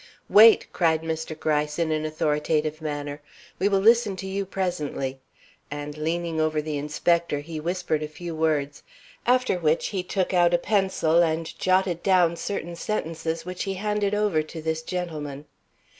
"Wait!" cried Mr. Gryce, in an authoritative manner. "We will listen to you presently;" and, leaning over the inspector, he whispered a few words, after which he took out a pencil and jotted down certain sentences, which he handed over to this gentleman.